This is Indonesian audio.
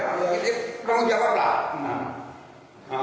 ya itu perlu jawab lah